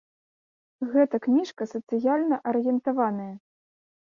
Гэта кніжка сацыяльна арыентаваная.